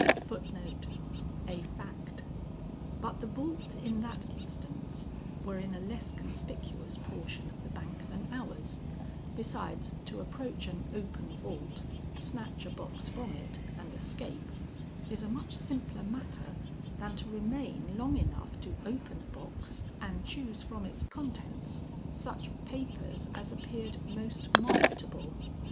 But the vaults in that instance were in a less conspicuous portion of the bank than ours, besides to approach an open vault, snatch a box from it and escape, is a much simpler matter than to remain long enough to open a box and choose from its contents such papers as appeared most marketable.